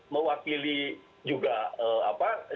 mewakili juga seluruh kesehatan